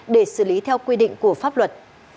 để xử lý theo quy định của pháp luật